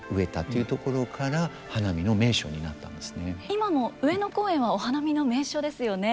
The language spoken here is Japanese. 今も上野公園はお花見の名所ですよね。